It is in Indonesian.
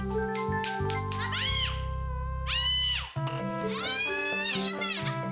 bagaimana bikin gua kesel be